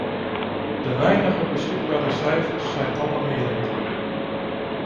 De weinige beschikbare cijfers zijn alarmerend.